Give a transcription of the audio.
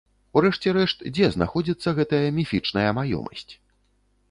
У рэшце рэшт, дзе знаходзіцца гэтая міфічная маёмасць?